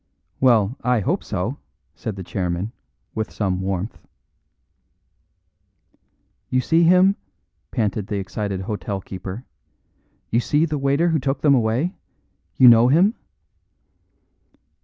"Well, I hope so," said the chairman, with some warmth. "You see him?" panted the excited hotel keeper; "you see the waiter who took them away? You know him?"